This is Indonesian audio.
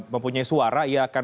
mempunyai suara ia akan